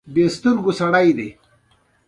د پاکوالي په اړه له دې وړاندې هم اندېښنې ښودل شوې وې